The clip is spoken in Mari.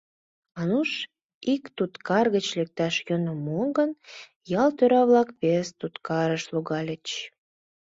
Ануш ик туткар гыч лекташ йӧным муо гын, ял тӧра-влак вес туткарыш логальыч.